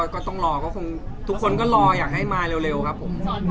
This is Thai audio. ก็ต้องรอก็คงทุกคนก็รออยากให้มาเร็วครับผม